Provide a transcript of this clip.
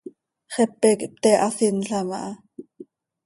Xepe quih pte hasinlam aha.